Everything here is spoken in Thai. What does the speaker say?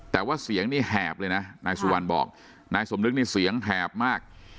แต่ว่าเสียงนี่แหบเลยนะนายสุวรรณบอกนายสมนึกนี่เสียงแหบมาก